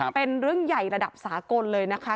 เป็นเรื่องใหญ่ระดับสากลเลยนะคะ